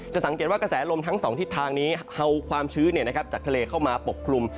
สังเกตว่ากระแสลมทั้งสองทิศทางนี้เอาความชื้นจากทะเลเข้ามาปกคลุม